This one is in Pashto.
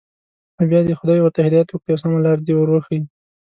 نو بیا دې خدای ورته هدایت وکړي او سمه لاره دې ور وښيي.